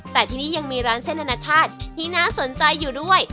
แต่ที่นี่ยังมีร้านเส้นอนาชาติที่น่าสนใจอยู่ด้วย